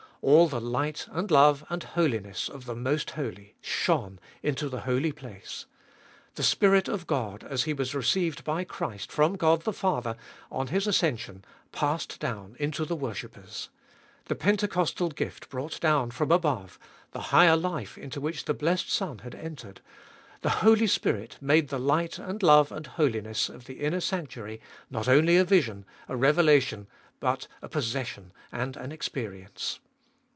All the light and love and holiness of the Most Holy shone into the Holy Place. The Spirit of God, as He was received by Christ from God the Father on His ascension, passed down into the worshippers. The Pentecostal gift brought down, from above, the higher life into which the blessed Son had entered ; the Holy Spirit made the light and love and holiness of the inner sanctuary not only a vision, a revelation, but a possession and an experience.